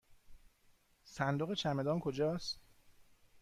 صندوق چمدان کجاست؟